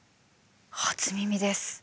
初耳です。